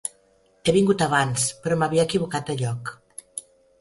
He vingut abans, però m'havia equivocat de lloc.